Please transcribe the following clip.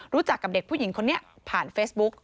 รู้จักกับเด็กผู้หญิงคนนี้ผ่านเฟซบุ๊ก